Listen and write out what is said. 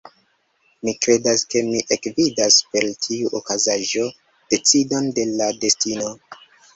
Mi kredis, ke mi ekvidas, per tiu okazaĵo, decidon de la destino.